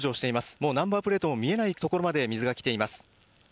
もうナンバープレートも見えない所まで水が来ています。